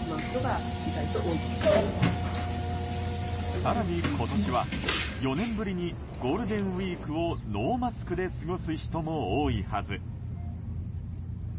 更に、今年は４年ぶりにゴールデンウィークをノーマスクで過ごす人も多いはず。